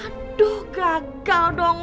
aduh gagal dong